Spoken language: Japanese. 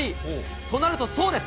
となるとそうです。